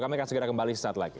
kami akan segera kembali saat lagi